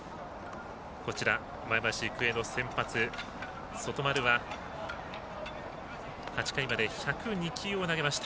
前橋育英の先発、外丸は８回まで１０２球を投げました。